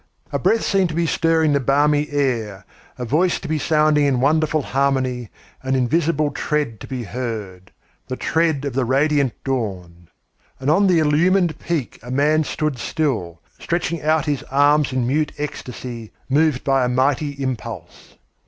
A breath seemed to be stirring the balmy air, a voice to be sounding in wonderful harmony, an invisible tread to be heard the tread of the radiant Dawn! And on the illumined peak a man still stood, stretching out his arms in mute ecstasy, moved by a mighty impulse.